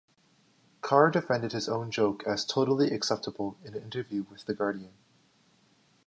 Carr defended his own joke as "totally acceptable" in an interview with "The Guardian".